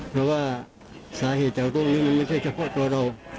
เพราะว่าสาเหตุจากเรื่องนี้มันไม่ใช่เฉพาะตัวเรา